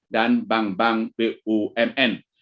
dan bank bank bumn